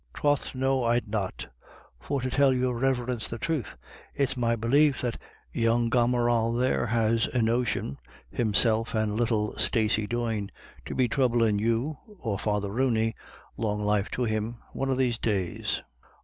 Troth no I'd not For to tell your Riverence the truth, it's my belief that young gomeral there has a notion — himself and little Stacey Doyne — to be troublin' you, or Father Rooney — long life to him —one of these days.